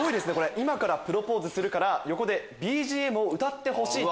「今からプロポーズするから横でＢＧＭを歌ってほしい」と。